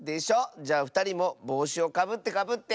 じゃあふたりもぼうしをかぶってかぶって。